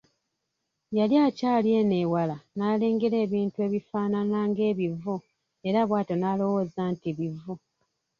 Yali akyali eno ewala n’alengera ebintu ebifaanana ng’ebivu era bwatyo n’alowooza nti bivu.